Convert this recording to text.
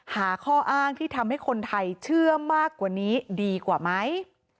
หาข้ออ้างที่ทำให้คนไทยเชื่อมากกว่านี้ดีกว่าไหม